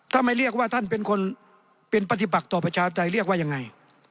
ถ้าไม่เรียกว่าท่านเป็นคนเป็นปฏิบัติต่อประชาปไตยเรียกว่ายังไง